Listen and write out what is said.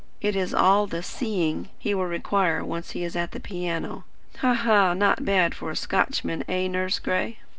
It is all the SEEING he will require when once he is at the piano. Ha, ha! Not bad for a Scotchman, eh, Nurse Gray?"